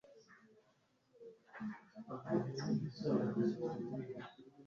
amazu arayasahura